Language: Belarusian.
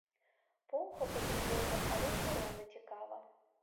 Поўха патрыётам, але ўсё роўна цікава.